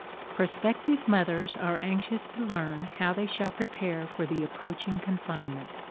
Prospective mothers are anxious to learn how they shall prepare for the approaching confinement.